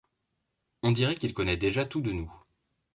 On dirait qu’il connait déjà tout de nous.